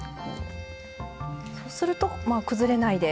そうするとまあ崩れないで。